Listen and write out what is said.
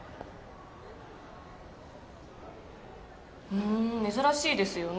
うーん珍しいですよね